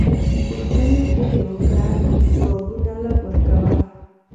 پوښتنې ډېرې وکړه ځوابونه لږ ورکړه.